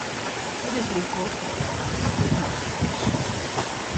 It is lykwols de fraach oft dat mooglik is.